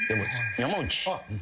山内。